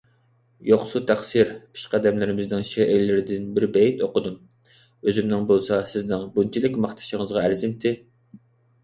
يوقسۇ تەقسىر، پېشقەدەملىرىمىزنىڭ شېئىرلىرىدىن بىر بېيىت ئوقۇدۇم، ئۆزۈمنىڭ بولسا سىزنىڭ بۇنچىلىك ماختىشىڭىزغا ئەرزىمتى.